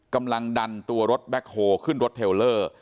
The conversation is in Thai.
กำลังดันตัวรถแบ็คโฮขึ้นรถเทลเลอร์